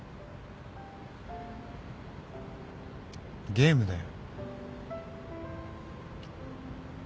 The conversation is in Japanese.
ゲームだよ。